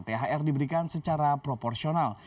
thr diberikan secara proporsional